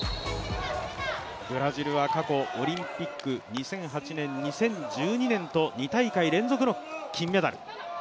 ブラジルは過去オリンピック２００８年、２０１２年と２大会連続の金メダル。